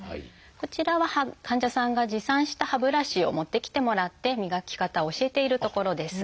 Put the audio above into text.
こちらは患者さんが持参した歯ブラシを持ってきてもらって磨き方を教えているところです。